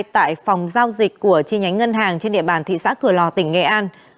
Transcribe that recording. tại phòng giao dịch của chi nhánh ngân hàng trên địa bàn thị xã cửa lò tỉnh nghệ an